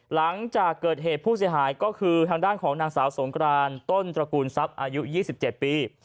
หลังจากเกิดเหตุผู้เสียหายก็คือทางด้านของนางสาวสงกรานต้นตระกูลทรัพย์อายุ๒๗ปี